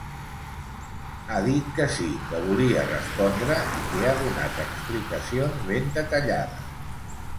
Ha dit que sí que volia respondre i que ha donat explicacions ben detallades.